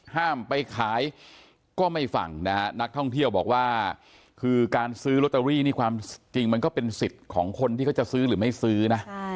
ห้ามไปขายก็ไม่ฟังนะฮะนักท่องเที่ยวบอกว่าคือการซื้อลอตเตอรี่นี่ความจริงมันก็เป็นสิทธิ์ของคนที่เขาจะซื้อหรือไม่ซื้อนะ